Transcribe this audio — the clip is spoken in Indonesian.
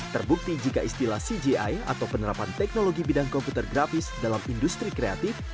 terbukti jika istilah cgi atau penerapan teknologi bidang komputer grafis dalam industri kreatif